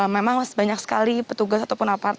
memang banyak sekali petugas ataupun aparat